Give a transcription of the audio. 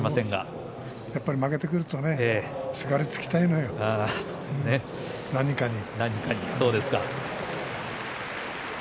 負けてくるとすがりつきたいのよ、何かに。